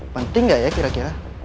penting nggak ya kira kira